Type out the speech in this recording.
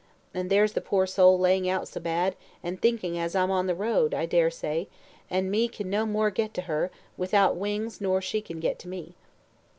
And there's the poor soul laying so bad, and thinking as I'm on the road, I dare say, and me can no more get to her without wings nor she can to get me."